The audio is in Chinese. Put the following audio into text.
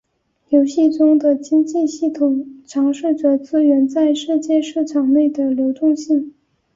游戏中的经济系统尝试着资源在世界市场内的流动性。